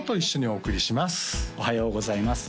おはようございます